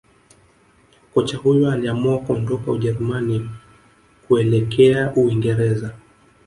Kocha huyo aliamua kuondoka Ujerumani kuelekjea uingereza